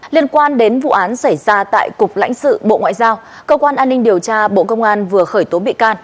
liên quan đến vụ án xảy ra tại cục lãnh sự bộ ngoại giao cơ quan an ninh điều tra bộ công an vừa khởi tố bị can